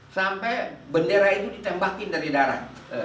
sampai bendera itu ditembakin dari darah